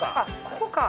ここか。